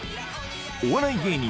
お笑い芸人